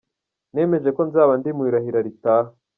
Nemeje ko nzaba ndi mu irahira ritaha.